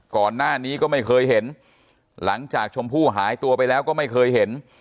ก่อนหน้านี้ก็ไม่เคยเห็นหลังจากชมพู่หายตัวไปแล้วก็ไม่เคยเห็น